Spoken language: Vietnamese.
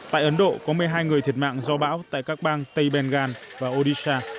tại ấn độ có một mươi hai người thiệt mạng do bão tại các bang tây bengal và odisha